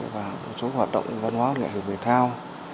và một số hoạt động văn hóa nghệ hữu về thao